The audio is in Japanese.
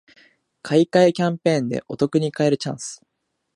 買い換えキャンペーンでお得に買えるチャンス